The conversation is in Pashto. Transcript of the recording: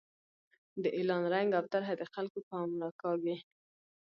د اعلان رنګ او طرحه د خلکو پام راکاږي.